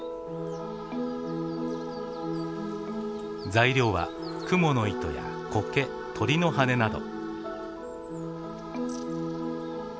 材料はクモの糸やコケ鳥の羽など。